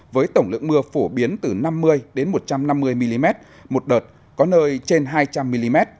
với tổng lượng mưa phổ biến từ năm mươi một trăm năm mươi mm một đợt có nơi trên hai trăm linh mm